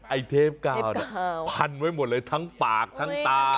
เทปกาวเนี่ยพันไว้หมดเลยทั้งปากทั้งตา